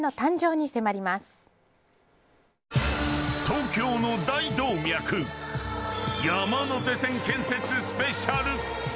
東京の大動脈山手線建設スペシャル！